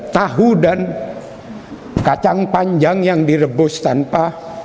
tahu dan kacang panjang yang direbus tanpa